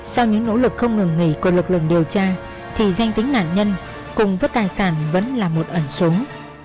sau những nỗ lực không ngừng nghỉ của lực lượng điều tra thì danh tính nạn nhân cùng với tài sản vẫn là một ẩn súng